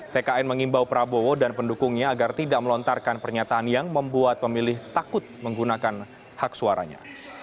tkn mengimbau prabowo dan pendukungnya agar tidak melontarkan pernyataan yang membuat pemilih takut menggunakan hak suaranya